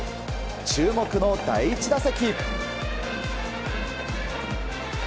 注目の第１打席。